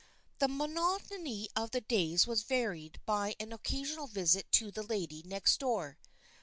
The monotony of the days was varied by an occasional visit to the little lady next door.